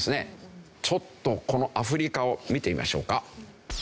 ちょっとこのアフリカを見てみましょうか。